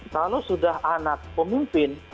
kalau sudah anak pemimpin